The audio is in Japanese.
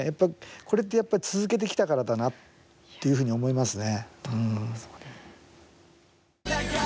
これって、やっぱり続けてきたからだなっていうふうに思いますね。